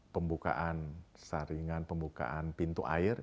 pembukaan saringan pembukaan pintu air